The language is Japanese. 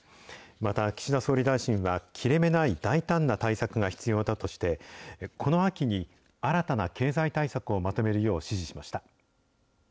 また、岸田総理大臣は、切れ目ない大胆な対策が必要だとして、この秋に新たな経済対策をまとめるよう指示しました。